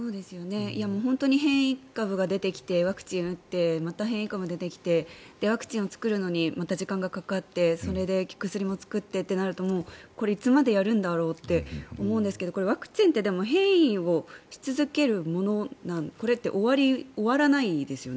本当に変異株が出てきてワクチン打ってまた変異株出てきてワクチンを作るのにまた時間がかかってそれで薬も作ってとなるとこれ、いつまでやるんだろうって思うんですけどこれ、ワクチンってでも、変異をし続けるものなんですか？